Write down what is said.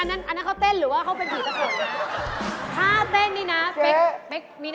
อันนั้นเขาเต้นหรือว่าเขาเป็นผีตะกดนะ